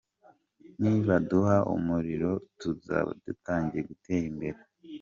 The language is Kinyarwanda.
Nibaduha umuriro tuzaba dutangiye gutera imbere.